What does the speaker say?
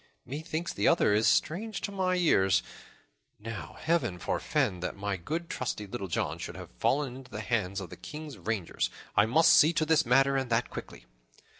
Methinks the other is strange to my ears. Now Heaven forfend that my good trusty Little John should have fallen into the hands of the King's rangers. I must see to this matter, and that quickly."